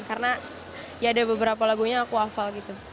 karena ya ada beberapa lagunya aku hafal gitu